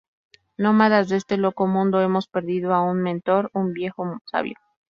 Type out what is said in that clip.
Nómadas de este loco mundo, hemos perdido a un mentor, un viejo sabio.